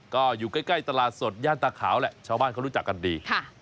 ก็อยู่ใกล้ตลาดสดย่านตาขาวแหละชาวบ้านเขารู้จักกันดี